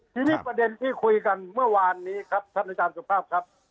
ทีนี้ประเด็นที่คุยกันเมื่อวานนี้ครับท่านอาจารย์สุภาพครับ